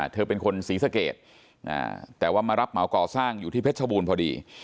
เธอเป็นคนศรีสะเกดแต่ว่ามารับเหมาก่อสร้างอยู่ที่เพชรบูรณ์พอดี